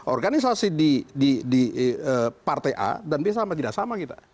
organisasi di partai a dan b sama tidak sama kita